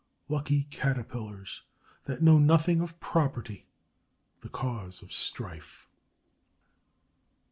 Lucky Caterpillars that know nothing of property, the cause of strife!